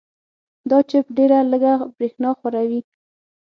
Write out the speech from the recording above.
دا چپ ډېره لږه برېښنا خوري.